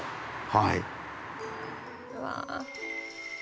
はい。